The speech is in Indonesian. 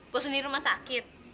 bosen di rumah sakit